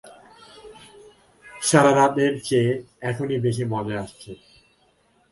সারারাতের চেয়ে এখনই বেশি মজা আসছে।